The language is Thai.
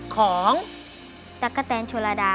ของตั๊กกะแตนชุระดาค่ะ